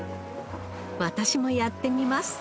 私もやってみます